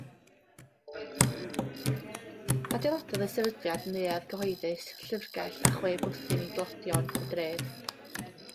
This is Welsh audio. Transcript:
Adeiladodd y sefydliad neuadd gyhoeddus, llyfrgell a chwe bwthyn i dlodion y dref.